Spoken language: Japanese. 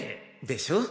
でしょ？